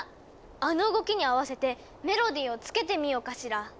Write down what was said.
あの動きに合わせてメロディーをつけてみようかしら。